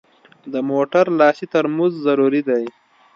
د موټر لاس ترمز ضروري دی.